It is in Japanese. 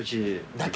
だけ？